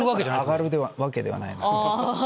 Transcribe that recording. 上がるわけではない。